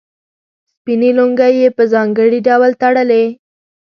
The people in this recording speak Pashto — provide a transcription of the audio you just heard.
سپینې لونګۍ یې په ځانګړي ډول تړلې.